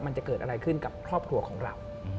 มันจะเกิดอะไรขึ้นกับครอบครัวของเรา